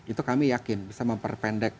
itu kami yakin bisa memperpendek